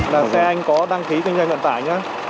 là xe anh có đăng ký kinh doanh vận tải nhé